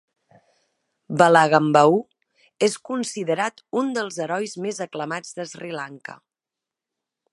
Valagambahu és considerat un dels herois més aclamats de Sri Lanka.